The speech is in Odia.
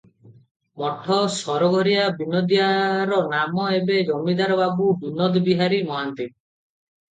ମଠ ସରଘରିଆ ବିନୋଦିଆର ନାମ ଏବେ ଜମିଦାର ବାବୁ ବିନୋଦବିହାରି ମହାନ୍ତି ।